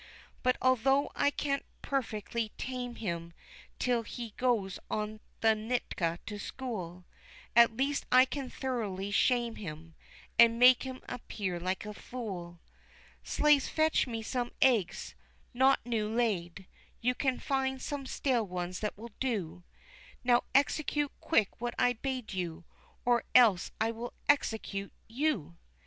"But although I can't perfectly tame him till he goes to the Nita to school, At least I can thoroughly shame him, and make him appear like a fool. "Slaves, fetch me some eggs not new laid you can find some stale ones that will do. Now execute quick what I bade you, or else I will execute you."